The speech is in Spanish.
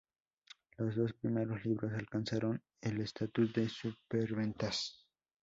Los dos primeros libros alcanzaron el estatus de superventas.